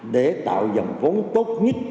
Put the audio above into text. để tạo dòng vốn tốt nhất